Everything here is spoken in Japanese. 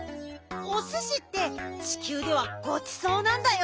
おすしってちきゅうではごちそうなんだよ。